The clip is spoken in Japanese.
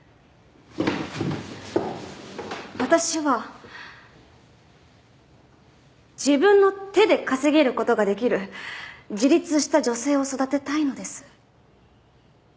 私は自分の手で稼げる事ができる自立した女性を育てたいのです。